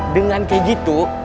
dengan kayak gitu